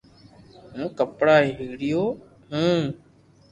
ھون ڪپڙا ھيڙيو ھون